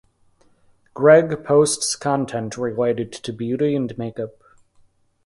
Gregg posts content related to beauty and makeup.